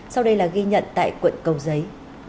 sau đây là ghi nhận tại quận cầu giấy